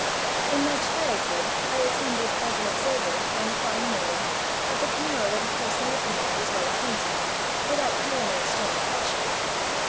In my child r hood, I attended, as an observer, one fine morning, at the funeral of a person with whom I was well DEATH TO THE INVALID. 113 acquainted, without feeling any strong affection.